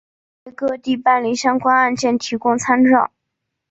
为各地办理相关案件提供参照